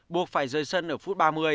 buộc phải rời sân ở phút ba mươi